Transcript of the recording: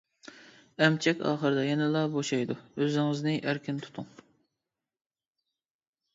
ئەمچەك ئاخىرىدا يەنىلا بوشايدۇ، ئۆزىڭىزنى ئەركىن تۇتۇڭ.